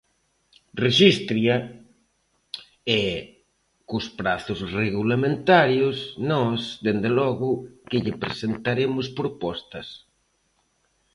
Rexístrea, e, cos prazos regulamentarios, nós dende logo que lle presentaremos propostas.